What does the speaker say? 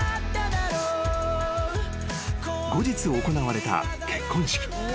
［後日行われた結婚式］